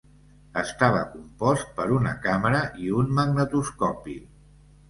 Estava compost per una càmera i un magnetoscopi.